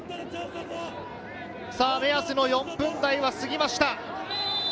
目安の４分台は過ぎました。